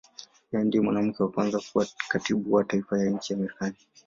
Yeye ndiye mwanamke wa kwanza kuwa Katibu wa Taifa wa nchi ya Marekani.